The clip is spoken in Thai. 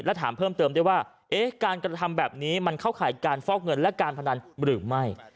และถามเพิ่มเติมด้วยว่าการกระทำแบบนี้มันเข้าข่ายการฟอกเงินและการพนันหรือไม่